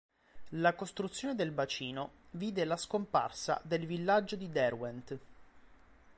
La costruzione del bacino vide la scomparsa del villaggio di Derwent.